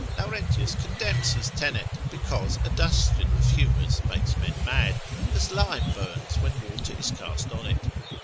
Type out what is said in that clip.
Laurentius condemns his tenet, because adustion of humours makes men mad, as lime burns when water is cast on it.